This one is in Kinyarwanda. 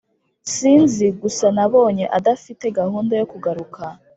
sinzi gusa nabonye adafite gahunda yo kugaruka